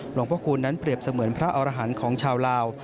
หลวงพระคูณนั้นเปรียบเสมือนพระอรหันต์ของชาวลาว